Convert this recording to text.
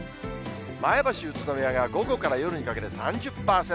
前橋、宇都宮が午後から夜にかけて３０％。